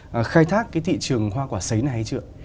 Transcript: và khai thác cái thị trường hoa quả xấy này hay chưa